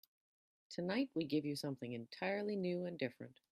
Tonight we give you something entirely new and different.